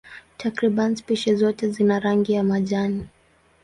Takriban spishi zote zina rangi ya majani.